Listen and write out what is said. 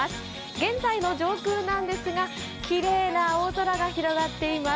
現在の上空なんですが、きれいな青空が広がっています。